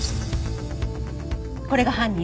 これが犯人。